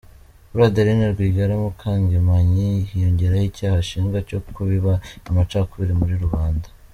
Kuri Adeline Rwigara Mukangemanyi, hiyongeraho icyaha ashinjwa cyo kubiba amacakubiri muri rubanda.